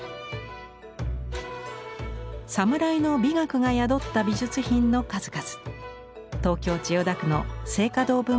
サムライの美学が宿った美術品の数々。